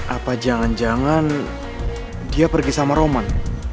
apa jangan jangan dia pergi sama roman